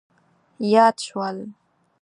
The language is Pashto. یاد شول.